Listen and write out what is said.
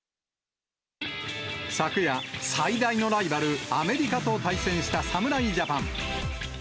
昨夜、最大のライバル、アメリカと対戦した侍ジャパン。